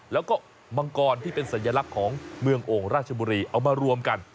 แล้วก็มังกรที่เป็นสัญลักษณ์ของเมืองโอ่งราชบุรีเอามารวมกัน